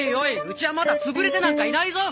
うちはまだ潰れてなんかいないぞ！